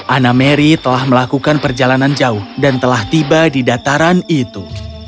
anna mary telah melakukan perjalanan jauh dan telah tiba di dataran itu